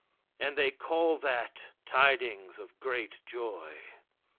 And they call that tidings of great joy.